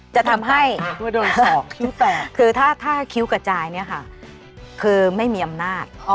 จะทำให้คือถ้าคิ้วกระจายเนี่ยค่ะคือไม่มีอำนาจ